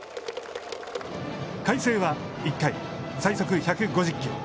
海星は１回最速１５０キロ